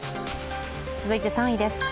続いて３位です。